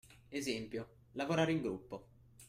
Esempio: lavorare in gruppo